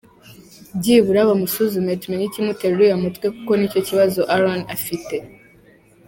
Byibura bamusuzume tumenye ikimutera uriya mutwe kuko nicyo kibazo Aaron afite.